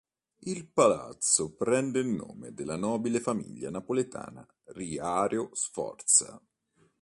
Il palazzo prende il nome dalla nobile famiglia napoletana Riario-Sforza.